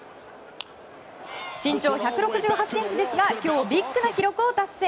身長１６８ｃｍですが今日ビッグな記録を達成。